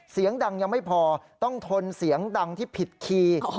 เสียงดังยังไม่พอต้องทนเสียงดังที่ผิดคีย์